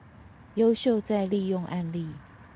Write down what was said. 優秀再利用案例